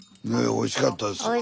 おいしかったです。